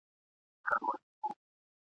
نو پر سر او ملا یې ورکړل ګوزارونه !.